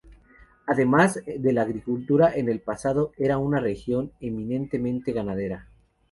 Además de la agricultura, en el pasado era una región eminentemente ganadera.